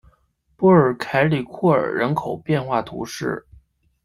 波尔凯里库尔人口变化图示